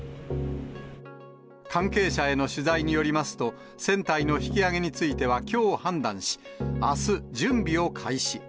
関係者への取材によりますと、船体の引き揚げについてはきょう判断し、あす、準備を開始。